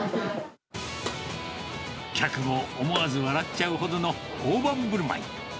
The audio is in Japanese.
客も思わず笑っちゃうほどの大盤ぶるまい。